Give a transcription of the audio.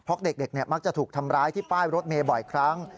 เพราะเด็กมักจะถูกทำร้ายที่ป้ายรถเมย์บ่อยครั้ง